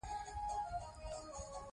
په ترازو کې خیانت مه کوئ.